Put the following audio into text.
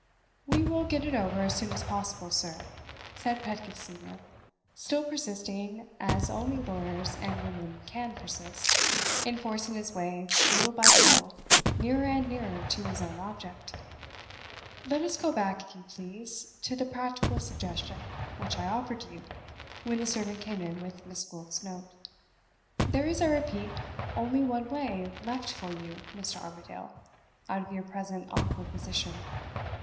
"We will get it over as soon as possible, sir," said Pedgift Senior, still persisting, as only lawyers and women can persist, in forcing his way little by little nearer and nearer to his own object. "Let us go back, if you please, to the practical suggestion which I offered to you when the servant came in with Miss Gwilt's note. There is, I repeat, only one way left for you, Mr. Armadale, out of your present awkward position.